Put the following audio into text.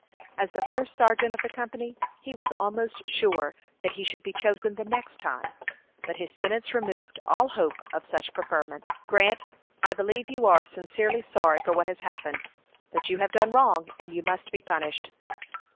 As the first sergeant of the company, he was almost sure that he should be chosen the next time. But his sentence removed all hope of such preferment. "Grant, I believe you are sincerely sorry for what has happened; but you have done wrong, and you must be punished."